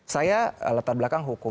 saya letak belakang hukum